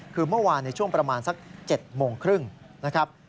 คือเมื่อวานในช่วงประมาณสัก๗โมงครึ่งนะครับ